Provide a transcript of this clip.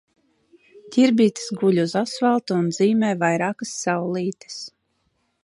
Ķirbītis guļ uz asfalta un zīmē vairākas saulītes.